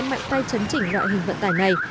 mạnh tay chấn chỉnh loại hình vận tài này